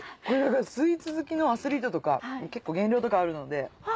これだからスイーツ好きのアスリートとか結構減量とかあるので。